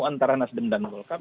antara nasdem dan walkar